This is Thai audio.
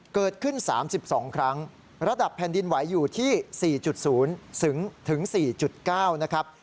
เกิดขึ้น๓๒ครั้งระดับแผ่นดินไหวอยู่ที่๔๐๔๙นะครับ